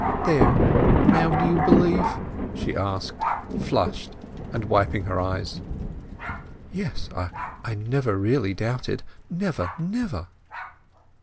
"There—now do you believe?" she asked, flushed, and wiping her eyes. "Yes. I never really doubted—never, never!"